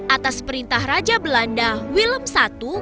atas perintah raja belanda willem i